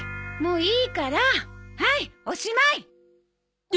もういいからはいおしまい。